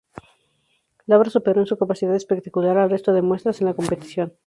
La obra superó en su capacidad espectacular al resto de muestras en la competición.